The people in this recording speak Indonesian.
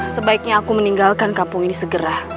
sebaiknya aku meninggalkan kampung ini segera